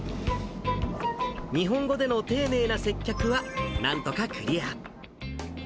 日本語での丁寧な接客は、なんとかクリア。